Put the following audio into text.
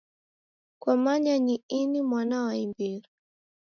Kwamanya ini ni mwana wa imbiri.